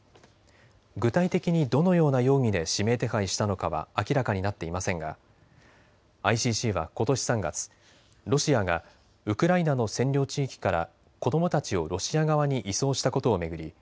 具体的にどのような容疑で指名手配したのかは明らかになっていませんがＩＣＣはことし３月、ロシアがウクライナの占領地域から子どもたちをロシア側に移送したことを巡り